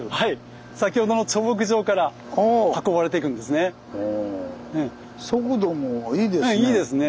先ほどの貯木場から運ばれていくんですね。